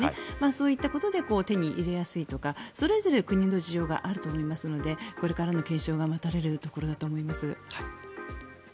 そういったことで手に入れやすいとかそれぞれ国の事情があると思いますのでこれからの検証が待たれるところだと思います。